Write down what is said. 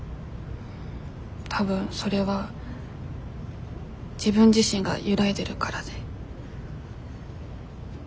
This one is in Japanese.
多分それは自分自身が揺らいでるからで。